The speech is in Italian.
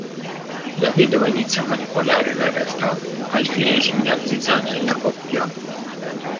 La vedova inizia a manipolare la realtà al fine di seminar zizzania nella coppia.